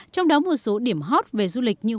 trong đó một số điểm hot về du lịch như